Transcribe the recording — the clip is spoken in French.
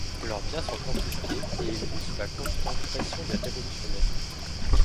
Leurs biens sont confisqués, et ils vivent sous la constante pression des révolutionnaires.